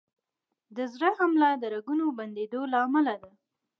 د زړه حمله د رګونو بندېدو له امله ده.